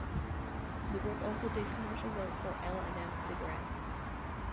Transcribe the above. The group also did commercial work for L and M cigarettes.